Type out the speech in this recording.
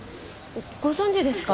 ご存じですか？